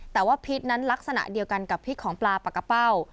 แต่ว่าพิษนั้นลักษณะเดียวกันกับพิษของปลาปากกะเป้า